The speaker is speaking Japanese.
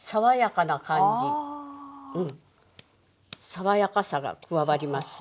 爽やかさが加わります。